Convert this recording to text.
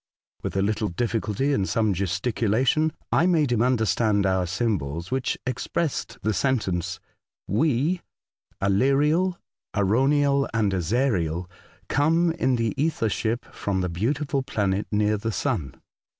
With a little difficulty and some gesticulation, I made him understand our symbols, which expressed the sentence, "We, Aleriel, Arauniel, andEzariel, come in the ether ship from the beautiful planet near the sun."